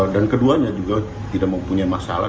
dan keduanya juga tidak mempunyai masalah